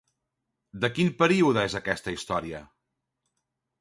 De quin període és aquesta història?